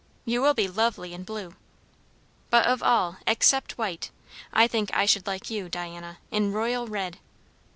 You will be lovely in blue. But of all, except white, I think I should like you, Diana, in royal red."